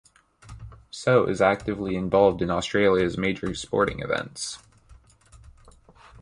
So is actively involved in Australia's major sporting events.